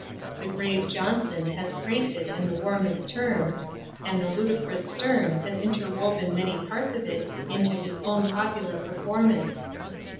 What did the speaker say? The grave JOHNSON has praised it in the warmest terms, and the ludicrous STERNE has interwoven many parts of it into his own popular performance.